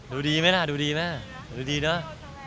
ดูดีไหมล่ะดูดีแม่ดูดีเนอะ